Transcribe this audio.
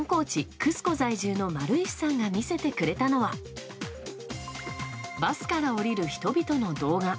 クスコ在住の丸石さんが見せてくれたのはバスから降りる人々の動画。